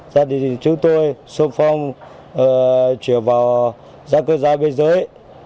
gia đình chúng tôi xung phong chuyển vào gia cư gia bây giới